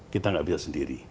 kita nggak bisa sendiri